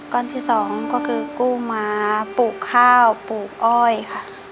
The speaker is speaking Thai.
ก้อนที่สองก็คือกู้มาปลูกข้าวปลูกอ้อยค่ะ